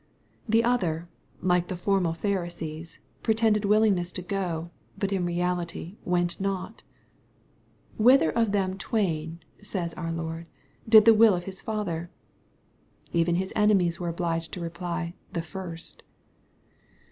The other, like the formal Phari sees, pretended willingness to go, but in reality went not " Whether of them twain," says our Lord, " did the will of his father ?" Even his enemies were obliged to reply, " the first."